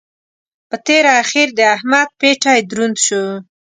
په تېره اخېر د احمد پېټی دروند شو.